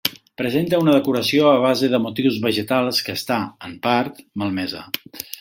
Presenta una decoració a base de motius vegetals que està, en part, malmesa.